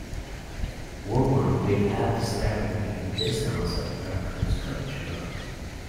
Woman with hat staring in the distance at park with sculpture.